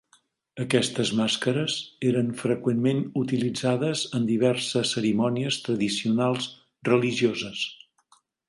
Aquestes màscares eren freqüentment utilitzades en diverses cerimònies tradicionals religioses.